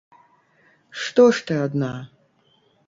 Што ж ты адна?